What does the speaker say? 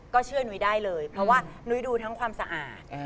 เชื่อนุ้ยได้เลยเพราะว่านุ้ยดูทั้งความสะอาด